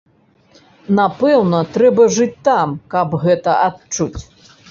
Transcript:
Напэўна, трэба жыць там, каб гэта адчуць.